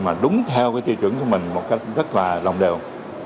mà đúng theo cái tiêu chuẩn của mình một cách rất là lòng đều